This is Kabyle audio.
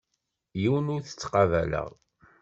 Yiwen ur t-ttqabaleɣ.